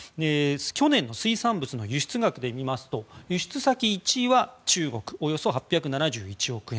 去年の水産物の輸出額で見ますと輸出先１位は中国およそ８７１億円。